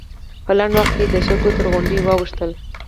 په لنډ وخت کې د شګو تر غونډۍ واوښتل.